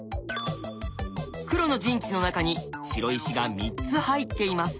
黒の陣地の中に白石が３つ入っています。